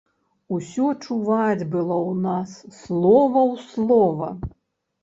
Усё чуваць было ў нас, слова ў слова.